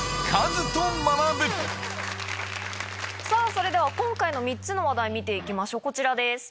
それでは今回の３つ話題見ていきましょうこちらです。